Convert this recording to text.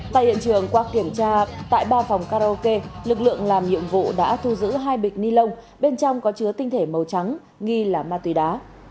tại hiện trường qua kiểm tra tại ba phòng karaoke lực lượng làm nhiệm vụ đã thu giữ hai bịch ni lông bên trong có chứa tinh thể màu trắng nghi là ma túy đá